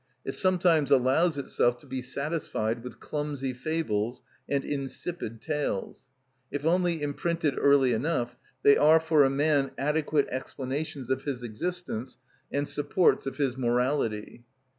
It sometimes allows itself to be satisfied with clumsy fables and insipid tales. If only imprinted early enough, they are for a man adequate explanations of his existence and supports of his morality.